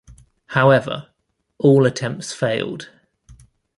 However, all attempts failed.